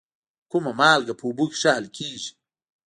کومه مالګه په اوبو کې ښه حل کیږي؟